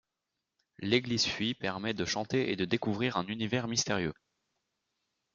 L'église fuit permet de chanter et de découvrir un univers mystérieux.